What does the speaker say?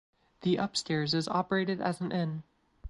The upstairs is operated as an inn.